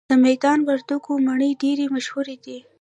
د میدان وردګو مڼې ډیرې مشهورې دي